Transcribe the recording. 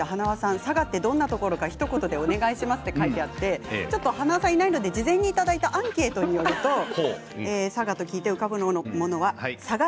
佐賀ってどんなところかひと言お願いしますと書いてあって塙さんがいないので、事前に書いてあったアンケートを読むと佐賀県で浮かぶのは、佐賀駅。